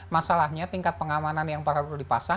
masalahnya tingkat pengamanan yang perlu dipasang